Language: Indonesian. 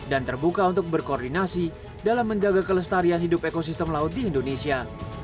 dan terbuka untuk berkoordinasi dalam menjaga kelestarian hidup ekosistem laut di indonesia